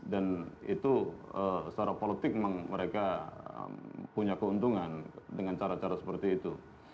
dan itu secara politik memang mereka punya keuntungan dengan cara cara seperti itu